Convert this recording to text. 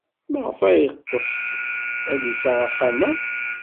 Maɣef ay yeɣtes ad d-iseɣ axxam-a?